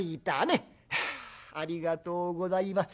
「ありがとうございます。